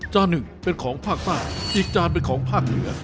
หนึ่งเป็นของภาคใต้อีกจานเป็นของภาคเหนือ